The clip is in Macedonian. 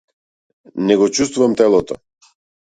Не го чуствувам телото.